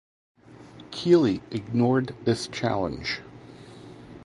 Keely ignored this challenge.